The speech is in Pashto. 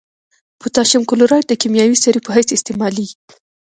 پوتاشیم کلورایډ د کیمیاوي سرې په حیث استعمالیږي.